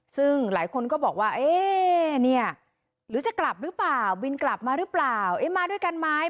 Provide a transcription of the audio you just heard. ซึ่งหลายคนก็บอกว่าเอ๊ะเนี่ยหรือจะกลับหรือเปล่าบินกลับมาหรือเปล่าเอ๊ะมาด้วยกันไหม